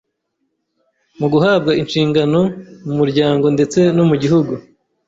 mu guhabwa inshingano mu muryango ndetse no mu gihugu.